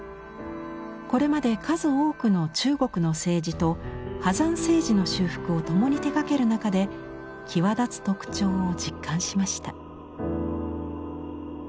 これまで数多くの中国の青磁と波山青磁の修復を共に手がける中で際立つ特徴を実感しました。